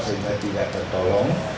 sehingga tidak tertolong